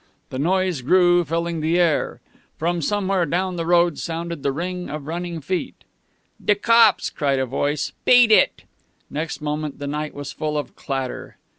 The noise grew, filling the still air. From somewhere down the road sounded the ring of running feet. "De cops!" cried a voice. "Beat it!" Next moment the night was full of clatter.